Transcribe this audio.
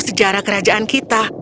sejarah kerajaan kita